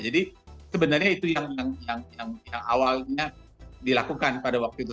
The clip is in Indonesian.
jadi sebenarnya itu yang awalnya dilakukan pada waktu itu